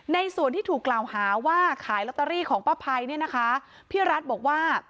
ในส่วนที่ถูกกล่าวหาว่าขายลอตเตอรี่ของป้าภัยเนี่ยนะคะพี่รัฐบอกว่า